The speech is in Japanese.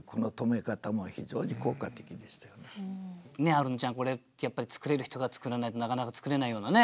アルノちゃんこれやっぱり作れる人が作らないとなかなか作れないようなね。